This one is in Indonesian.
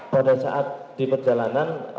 pada saat di perjalanan